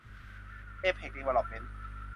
เอเพ็กซ์ ดีเวลลอปเม้นท์